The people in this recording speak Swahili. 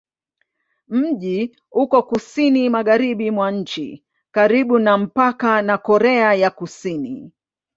Mji uko kusini-magharibi mwa nchi, karibu na mpaka na Korea ya Kusini.